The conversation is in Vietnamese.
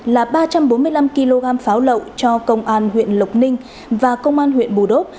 là ba trăm bốn mươi năm kg pháo lậu cho công an huyện lộc ninh và công an huyện bù đốc